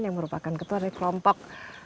yang merupakan ketua dari kelompok